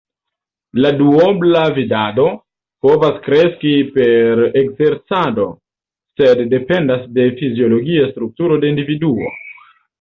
La duobla vidado povas kreski per ekzercado, sed dependas de fiziologia strukturo de individuo.